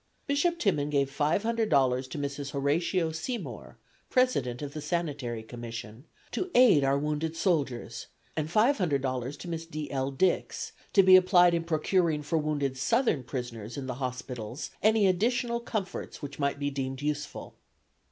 Bishop Timon gave $500 to Mrs. Horatio Seymour, president of the Sanitary Commission, to aid our wounded soldiers, and $500 to Miss D. L. Dix, to be applied in procuring for wounded Southern prisoners in the hospitals any additional comforts which might be deemed useful.